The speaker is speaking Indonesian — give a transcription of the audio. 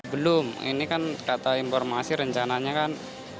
belum ini kan kata informasi rencananya kan